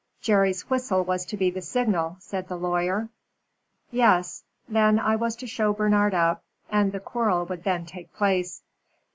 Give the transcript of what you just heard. "Jerry's whistle was to be the signal," said the lawyer. "Yes. Then I was to show Bernard up, and the quarrel would then take place."